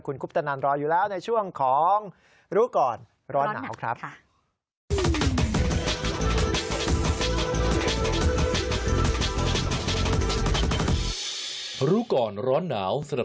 คุณคุปตนันรออยู่แล้วในช่วงของรู้ก่อนร้อนหนาวครับ